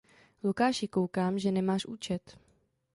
Lukáši, koukám, že nemáš účet.